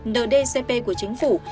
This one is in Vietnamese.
ndcp của chính phủ